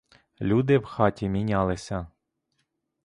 Люди в хаті мінялися.